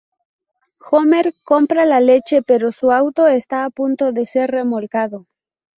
Homer compra la leche pero su auto está a punto de ser remolcado.